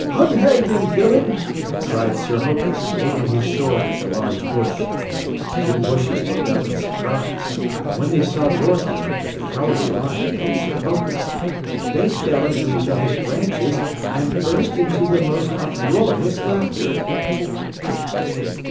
"Unhand him, villain!" cried Sir Hokus, waving his sword at the large bush. The two bushes looked up in surprise, and when they saw Dorothy, the Cowardly Lion and Sir Hokus, they fell into each other's branches and burst into the most uproarious laughter.